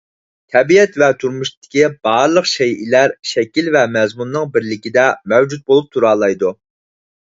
تەبىئەت ۋە تۇرمۇشتىكى بارلىق شەيئىلەر شەكىل ۋە مەزمۇننىڭ بىرلىكىدە مەۋجۇت بولۇپ تۇرالايدۇ.